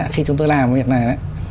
khi chúng tôi làm việc này